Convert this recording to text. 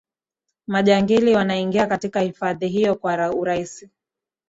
majangili wanaingia katika hifadhi hiyo kwa urahisi